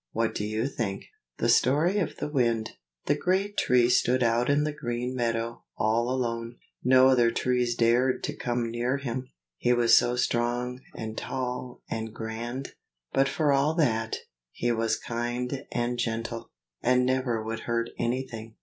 What do you think?" THE STORY OF THE WIND. The great Tree stood out in the green meadow, all alone. No other trees dared to come near him, he was so strong, and tall, and grand; but for all that, he was kind and gentle, and never would hurt anything.